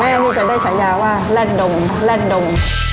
แม่นี่จะได้ฉายาว่ารัดดมรัดดม